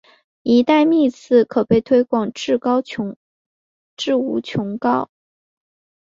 迭代幂次可被推广至无穷高。